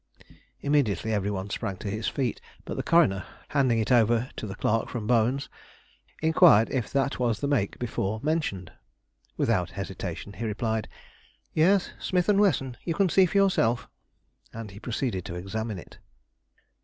Immediately, every one sprang to his feet, but the coroner, handing it over to the clerk from Bonn's, inquired if that was the make before mentioned. Without hesitation he replied, "Yes, Smith & Wesson; you can see for yourself," and he proceeded to examine it.